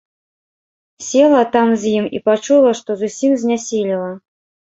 Села там з ім і пачула, што зусім знясілела.